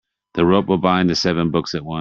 The rope will bind the seven books at once.